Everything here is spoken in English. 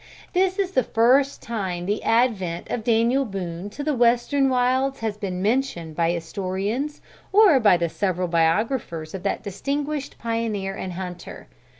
This is the first time the advent of Daniel Boone to the western wilds has been mentioned by historians or by the several biographers of that distinguished pioneer and hunter.